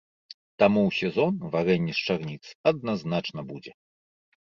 Таму ў сезон варэнне з чарніц адназначна будзе.